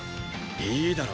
いいだろ？